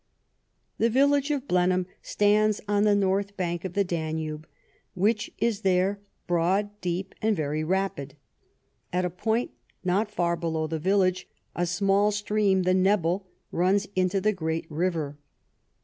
The village of Blenheim stands on the north bank of the Danube, which is there broad, deep, and very rapid; at a point not far below the village a small stream, the Nebel, runs into the great river.